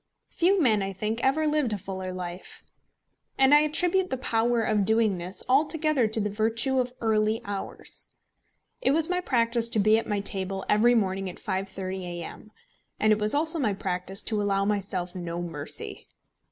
Few men, I think, ever lived a fuller life. And I attribute the power of doing this altogether to the virtue of early hours. It was my practice to be at my table every morning at 5.30 A.M.; and it was also my practice to allow myself no mercy.